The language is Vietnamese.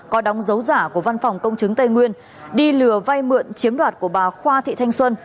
có đóng dấu giả của văn phòng công chứng tây nguyên đi lừa vay mượn chiếm đoạt của bà khoa thị thanh xuân